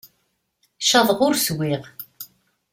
Caḍeɣ ur swiɣ.